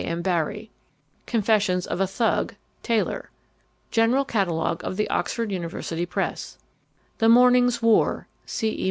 M. Barrie Confessions of a Thug: Taylor General Catalogue of the Oxford University Press The Morning's War: C. E.